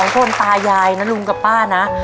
คนตายายนะลุงกับป้านะ